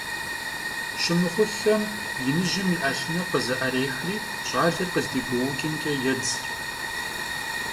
Şımıxhuxxem, yinıjım yi 'elhınır khızı'erêxri ş'aler khızdiguouç'ımç'e yêdz.